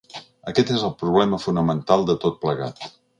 Aquest és el problema fonamental de tot plegat.